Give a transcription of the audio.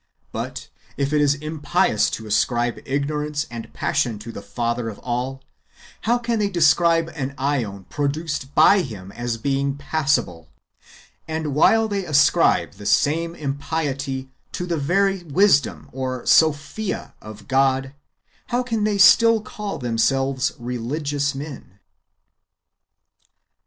But if it is impious to )/ ascribe ignorance and passion to the Father of all, how can they describe an ^on produced by Him as being passible ; and while they ascribe the same impiety to the very wisdom (Sophia) of God, how can they still call themselves religious men